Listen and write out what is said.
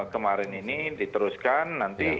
kemarin ini diteruskan nanti